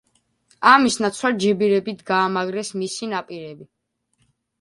ამის ნაცვლად, ჯებირებით გაამაგრეს მისი ნაპირები.